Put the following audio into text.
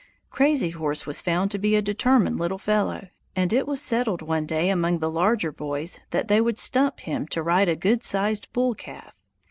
Crazy Horse was found to be a determined little fellow, and it was settled one day among the larger boys that they would "stump" him to ride a good sized bull calf.